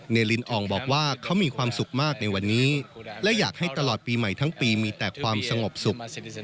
ลิลินอ่องบอกว่าเขามีความสุขมากในวันนี้และอยากให้ตลอดปีใหม่ทั้งปีมีแต่ความสงบสุข